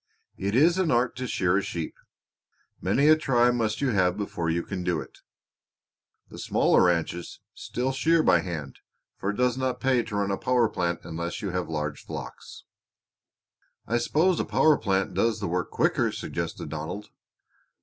It is an art to shear a sheep. Many a try must you have before you can do it. The smaller ranches still shear by hand, for it does not pay to run a power plant unless you have large flocks." "I suppose a power plant does the work quicker," suggested Donald.